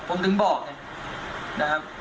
ผมถึงบอกนะครับ